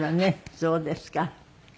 そうですか。